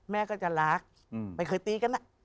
แม่ก็จะรักไม่เคยตีกัน